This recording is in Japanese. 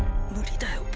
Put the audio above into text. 無理だよ